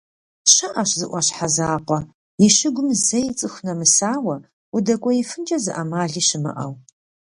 ЩыӀэщ зы Ӏуащхьэ закъуэ и щыгум зэи цӀыху нэмысауэ, удэкӀуеифынкӀэ зы Ӏэмали щымыӀэу.